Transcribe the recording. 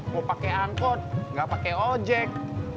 mau pake angkot nggak pake ojek